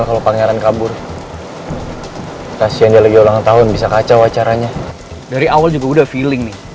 kok kalian berdua doang sih